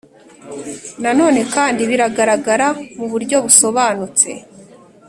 Nanone kandi biragaragara mu buryo busobanutse